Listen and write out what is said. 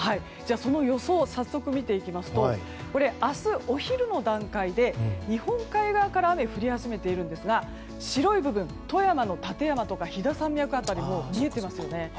その予想早速見ていきますと明日お昼の段階で日本海側から雨降り始めているんですが白い部分、富山の立山とか飛騨山脈辺り見えていますよね。